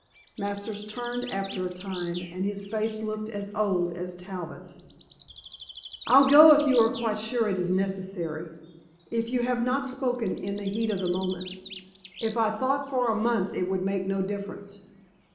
Masters turned after a time and his face looked as old as Talbot's. "I'll go if you are quite sure it is necessary. If you have not spoken in the heat of the moment." "If I thought for a month it would make no difference.